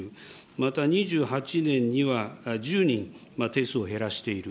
また２８年には１０人定数を減らしている。